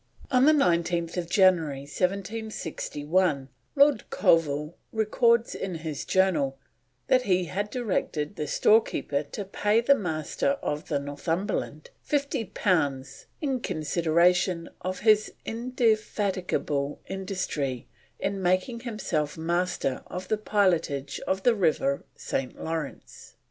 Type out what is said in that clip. On 19th January 1761, Lord Colville records in his Journal that he had "directed the storekeeper to pay the Master of the Northumberland, fifty pounds in consideration of his indefatigable industry in making himself master of the pilotage of the River St. Lawrence."